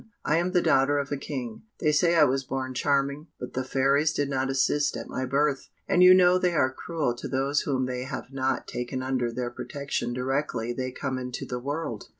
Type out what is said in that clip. "I am the daughter of a King; they say I was born charming, but the fairies did not assist at my birth, and you know they are cruel to those whom they have not taken under their protection directly they come into the world."